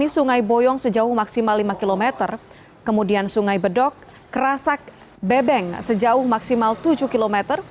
sungai boyong sejauh maksimal lima km kemudian sungai bedok kerasak bebeng sejauh maksimal tujuh km